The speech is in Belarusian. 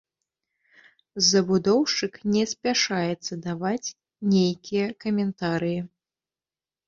Забудоўшчык не спяшаецца даваць нейкія каментарыі.